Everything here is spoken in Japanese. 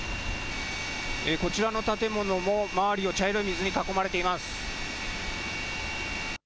こちらの建物も周りを茶色い水に囲まれています。